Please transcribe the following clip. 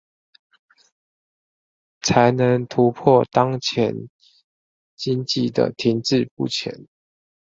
才能突破當前經濟的停滯不前